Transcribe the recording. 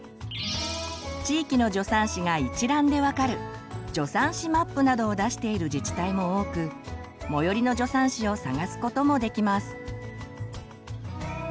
地域の助産師が一覧で分かる「助産師マップ」などを出している自治体も多く最寄りの助産師を探すこともできます。